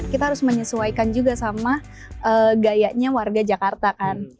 kita harus menyesuaikan juga sama gayanya warga jakarta kan